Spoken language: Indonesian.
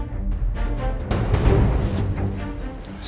kamu mau jalanin ke jalanan